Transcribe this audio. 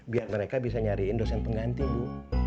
biar mereka bisa nyariin dosen pengganti bu